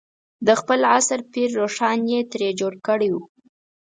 د خپل عصر پير روښان یې ترې جوړ کړی و.